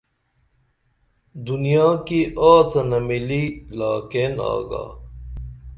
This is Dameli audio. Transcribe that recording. دنیا کی آڅنہ مِلی لاکین آگا